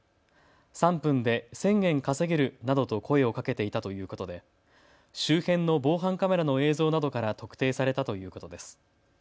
３分で１０００円稼げるなどと声をかけていたということで周辺の防犯カメラの映像などから特定されたということです。